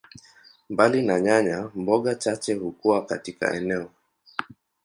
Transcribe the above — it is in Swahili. Mbali na nyanya, mboga chache hukua katika eneo.